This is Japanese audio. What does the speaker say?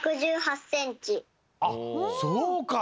あっそうか。